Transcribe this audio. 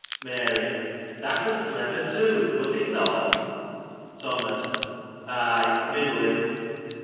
Mary. — That was clever, too ; was it not ? Thomas. — Ay, middling.